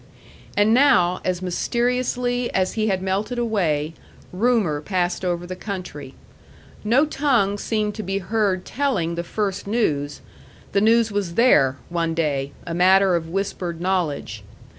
And now, as mysteriously as he had melted away, rumor passed over the country. No tongue seemed to be heard telling the first news; the news was there, one day, a matter of whispered knowledge.